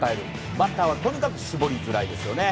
バッターはとにかく絞りづらいですよね。